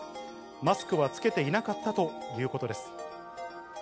マスクは着けていなかったということです。